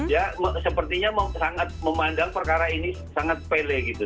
ya sepertinya sangat memandang perkara ini sangat pele gitu